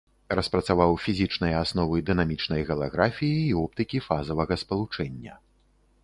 Распрацаваў фізічныя асновы дынамічнай галаграфіі і оптыкі фазавага спалучэння.